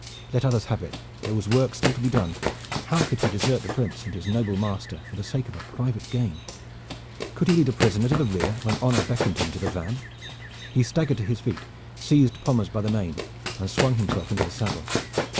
Let others have it! There was work still to be done. How could he desert the Prince and his noble master for the sake of a private gain? Could he lead a prisoner to the rear when honor beckoned him to the van? He staggered to his feet, seized Pommers by the mane, and swung himself into the saddle.